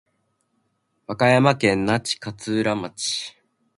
和歌山県那智勝浦町